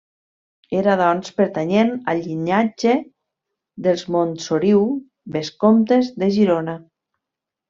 Era doncs, pertanyent al llinatge dels Montsoriu, vescomtes de Girona.